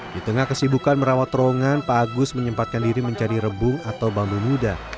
di tengah kesibukan merawat terowongan pak agus menyempatkan diri mencari rebung atau bambu muda